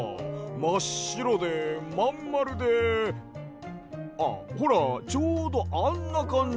まっしろでまんまるであっほらちょうどあんなかんじのってええ！？